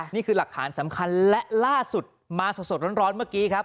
นี่คือหลักฐานสำคัญและล่าสุดมาสดร้อนเมื่อกี้ครับ